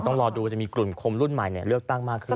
ต้องรอดูจะมีกลุ่มคนรุ่นใหม่เลือกตั้งมากขึ้น